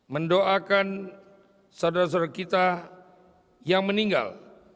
mendoakan saudara saudara kita yang meninggal